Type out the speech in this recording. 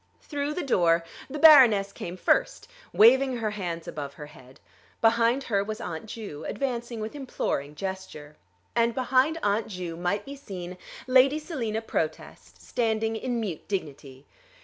Through the door the Baroness came first, waving her hands above her head. Behind her was Aunt Ju, advancing with imploring gesture. And behind Aunt Ju might be seen Lady Selina Protest standing in mute dignity.